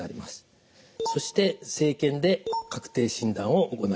そして生検で確定診断を行います。